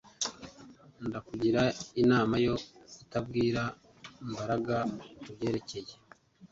Ndakugira inama yo kutabwira Mbaraga kubyerekeye